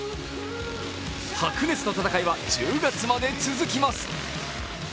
白熱の戦いは１０月まで続きます。